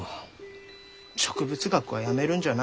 植物学はやめるんじゃない？